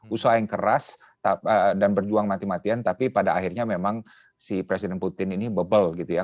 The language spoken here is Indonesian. usaha yang keras dan berjuang mati matian tapi pada akhirnya memang si presiden putin ini bebel gitu ya